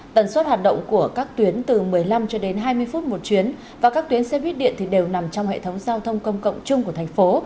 tần suất hoạt động của các tuyến từ một mươi năm cho đến hai mươi phút một chuyến và các tuyến xe buýt điện đều nằm trong hệ thống giao thông công cộng chung của thành phố